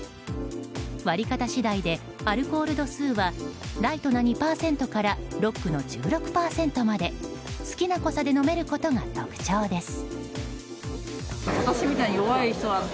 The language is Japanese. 割り方次第でアルコール度数はライトな２％からロックの１６％まで好きな濃さで飲めることが特徴です。